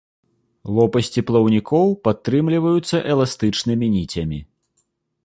Лопасці плаўнікоў падтрымліваюцца эластычнымі ніцямі.